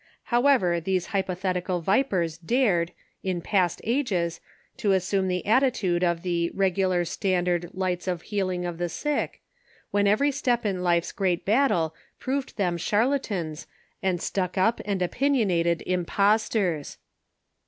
However, these hypothetical vipers dared, in past ages, to assume the atti tude of the " Regular Standard " lights of healing of the sick, when every step in life's great battle proved them charlatans and stuck up and opinionated impostors